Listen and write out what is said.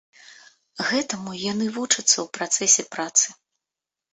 Гэтаму яны вучацца ў працэсе працы.